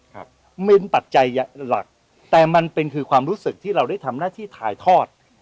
ครับเป็นปัจจัยหลักแต่มันเป็นคือความรู้สึกที่เราได้ทำหน้าที่ถ่ายทอด